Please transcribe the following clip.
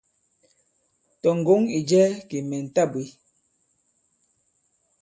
Tɔ̀ ŋgǒŋ ì jɛ kì mɛ̀ ta bwě.».